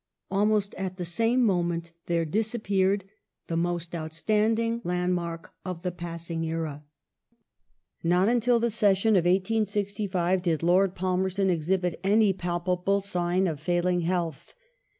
Almost at the same moment there disappeared the most outstanding land i^ mark of the passing era. The death Not until the session of 1865 did Lord Palmerston exhibit any of Lord palpable sign of failing health.